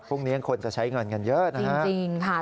พรุ่งนี้คนจะใช้เงินกันเยอะนะฮะจริงค่ะ